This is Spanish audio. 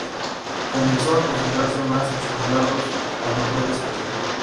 Comenzó a concentrarse más en sus dardos, cuando fue despedido.